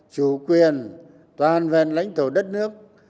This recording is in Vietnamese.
chủ quyền toàn ven lãnh thổ đất nước